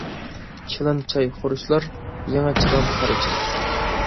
چىلان چاي خۇرۇچلار : يېڭى چىلان، قارىچاي.